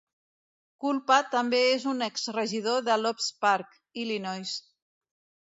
Kulpa també és un exregidor de Loves Park, Illinois.